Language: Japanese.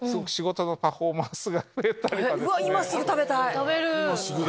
今すぐ食べたい！